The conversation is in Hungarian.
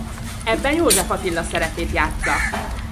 Ebben József Attila szerepét játssza.